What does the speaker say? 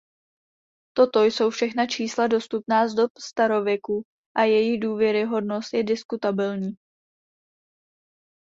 Toto jsou všechna čísla dostupná z dob starověku a jejich důvěryhodnost je diskutabilní.